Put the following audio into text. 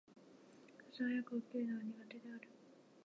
朝早く起きるのが苦手である。